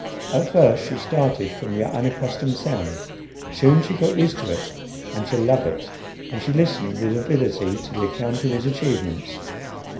At first she started from the unaccustomed sound; soon she got used to it and to love it, and she listened with avidity to the account of his achievements.